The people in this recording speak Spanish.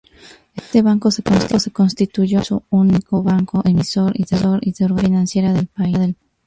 Este banco se constituyó en único banco emisor y de organización financiera del país.